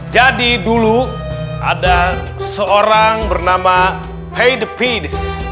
jadi dulu ada seorang bernama heide pidis